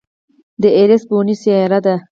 د ایرېس بونې سیاره ده.